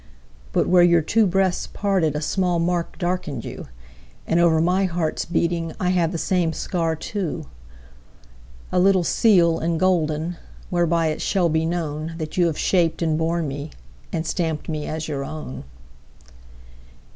But where your two breasts partedA small mark darkened you, And over my heart's beatingI have the same scar too.A little seal and golden, Whereby it shall be knownThat you have shaped and borne meAnd stamped me as your own!